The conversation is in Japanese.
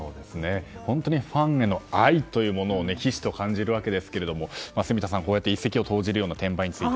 本当にファンヘの愛をひしひしと感じるわけですが住田さん、こうやって一石を投じるような転売について。